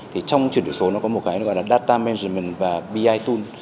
trong chuyển đổi số có một cái gọi là data management và bi tool